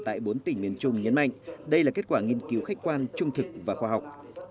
tại bốn tỉnh miền trung nhấn mạnh đây là kết quả nghiên cứu khách quan trung thực và khoa học